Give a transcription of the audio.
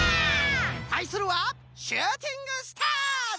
たいするはシューティングスターズ！